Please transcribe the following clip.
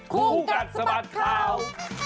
ครูกันสมัครข้าว